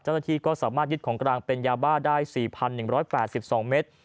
เจ้าหน้าที่ก็สามารถยึดของกลางเป็นยาบ้าได้๔๑๘๒เมตร